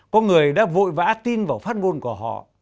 có người đã vội vã tin vào phát ngôn của họ